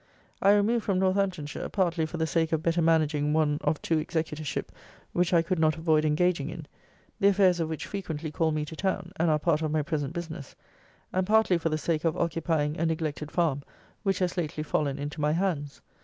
I removed from Northamptonshire, partly for the sake of better managing one of two executorship, which I could not avoid engaging in, (the affairs of which frequently call me to town, and are part of my present business;) and partly for the sake of occupying a neglected farm, which has lately fallen into my hands.